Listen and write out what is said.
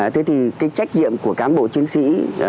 thế thì cái trách nhiệm của cán bộ chiến sĩ